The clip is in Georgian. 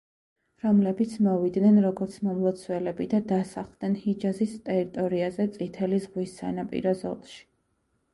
რომლებიც მოვიდნენ როგორც მომლოცველები და დასახლდნენ ჰიჯაზის ტერიტორიაზე წითელი ზღვის სანაპირო ზოლში.